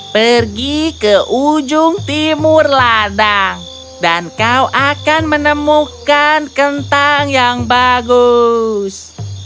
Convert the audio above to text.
pergi ke ujung timur ladang dan kau akan menemukan kentang yang bagus